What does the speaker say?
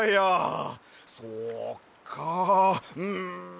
そっかうん。